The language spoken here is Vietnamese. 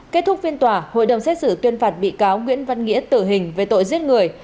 kết thúc phiên tòa hội đồng xét xử tuyên phạt bị cáo nguyễn văn nghĩa tử hình về tội giết người